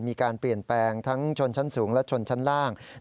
มีการเปลี่ยนแปลงทั้งชนชั้นสูงและชนชั้นล่าง